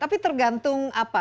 tapi tergantung apa